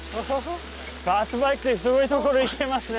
ファットバイクですごいところ行けますね！